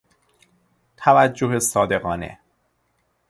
توجه صادقانه